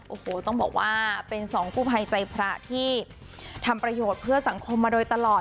โอ้โหต้องบอกว่าเป็นสองกู้ภัยใจพระที่ทำประโยชน์เพื่อสังคมมาโดยตลอด